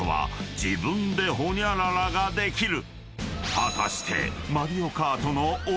［果たして］